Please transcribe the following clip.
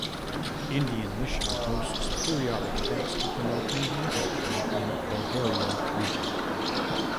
Indian mission hosts periodic events to promote Indian culture in Bulgaria region.